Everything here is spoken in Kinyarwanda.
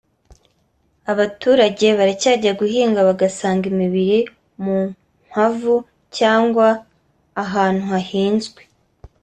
Abaturage baracyajya guhinga bagasanga imibiri mu mpavu cyangwa ahantu hahinzwe